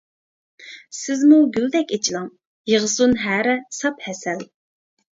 سىزمۇ گۈلدەك ئېچىلىڭ، يىغسۇن ھەرە ساپ ھەسەل.